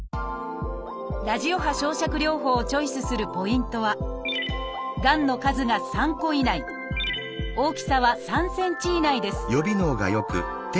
ラジオ波焼灼療法をチョイスするポイントはがんの数が３個以内大きさは３ｃｍ以内です